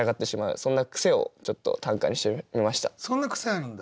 そんな癖あるんだ？